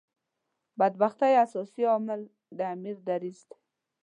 بدبختۍ اساسي عامل د امیر دریځ دی.